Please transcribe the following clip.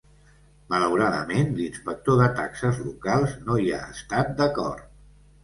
Malauradament, l'inspector de taxes local no hi ha estat d'acord.